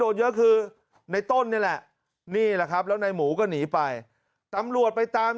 เยอะคือในต้นนี่แหละนี่แหละครับแล้วในหมูก็หนีไปตำรวจไปตาม